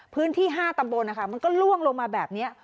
พื้นที่๕ตำบลนะคะมันก็ล่วงลงมาแบบนี้